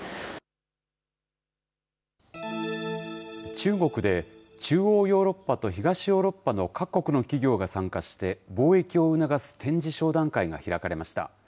中国で、中央ヨーロッパと東ヨーロッパの各国の企業が参加して、貿易を促す展示商談会が開かれました。